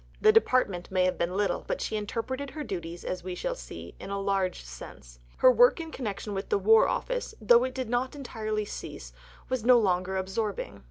The Department may have been little, but she interpreted her duties, as we shall see, in a large sense. Her work in connection with the War Office, though it did not entirely cease, was no longer absorbing.